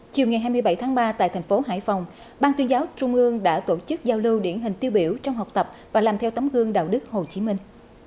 chiều ngày hai mươi bảy tháng ba tại thành phố hải phòng ban tuyên giáo trung ương đã tổ chức giao lưu điển hình tiêu biểu trong học tập và làm theo tấm gương đạo đức hồ chí minh